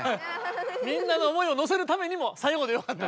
みんなの思いをのせるためにも最後でよかった。